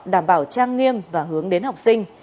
đảm bảo trang nghiêm và hướng đến học sinh